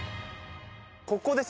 ここです。